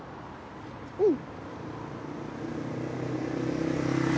うん。